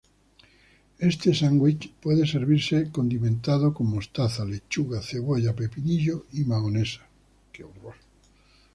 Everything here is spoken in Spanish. Este sándwich puede servirse condimentado con mostaza, lechuga, cebolla, pepinillo y mahonesa.